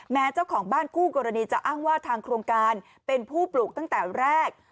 เจ้าของบ้านคู่กรณีจะอ้างว่าทางโครงการเป็นผู้ปลูกตั้งแต่แรก